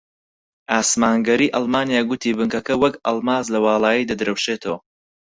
ئاسمانگەڕی ئەڵمانیا گوتی بنکەکە وەک ئەڵماس لە واڵایی دەدرەوشێتەوە